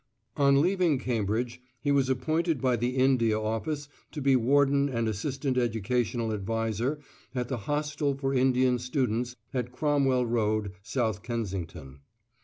On leaving Cambridge he was appointed by the India Office to be Warden and Assistant Educational Adviser at the Hostel for Indian Students at Cromwell Road, South Kensington.